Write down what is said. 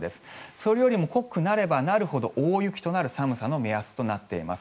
それよりも濃くなればなるほど大雪となる寒さの目安となっています。